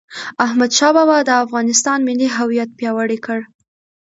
احمدشاه بابا د افغانستان ملي هویت پیاوړی کړ..